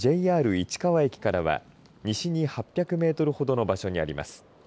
市川駅からは西に８００メートルほどの場所にあります。